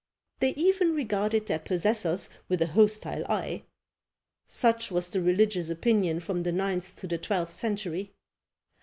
They even regarded their possessors with an hostile eye. Such was the religious opinion from the ninth to the twelfth century.